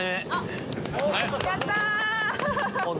やった！